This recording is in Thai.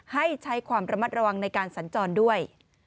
ให้ใช้ความระมัดระวังในการสัญจรด้วย